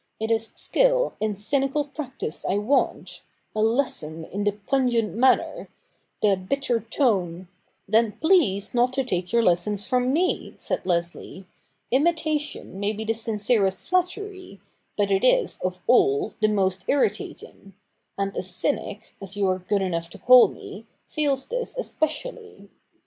It is skill in cynical practice I want — a lesson in the pungent manner — the bitter tone '' Then please not to take your lessons from me,' said Leslie. ' Imitation may be the sincerest flattery, but it is, of all, the most irritating : and a cynic, as you are good enough to call me, feels this especially.